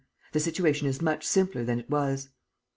The situation is much simpler than it was."